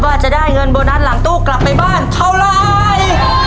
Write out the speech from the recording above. ว่าจะได้เงินโบนัสหลังตู้กลับไปบ้านเท่าไร